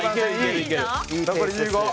残り１５。